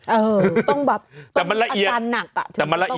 เออต้องแบบต้องอาจารย์หนักอ่ะ